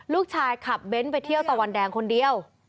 ขับเบ้นไปเที่ยวตะวันแดงคนเดียว